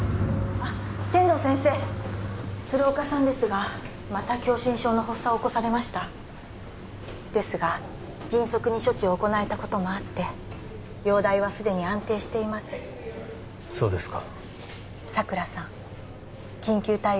あっ天堂先生鶴岡さんですがまた狭心症の発作を起こされましたですが迅速に処置を行えたこともあって容体はすでに安定していますそうですか佐倉さん緊急対応